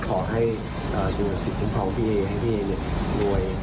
ขอให้สิทธิ์ของพี่เอให้พี่เอรวย